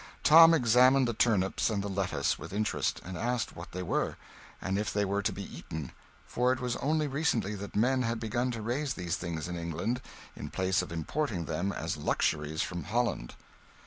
Tom examined the turnips and the lettuce with interest, and asked what they were, and if they were to be eaten; for it was only recently that men had begun to raise these things in England in place of importing them as luxuries from Holland.